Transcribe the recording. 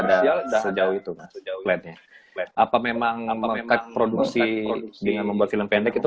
sudah sejauh itu masti jauh lebih apa memang membuat produksi dengan membuat film pendek itu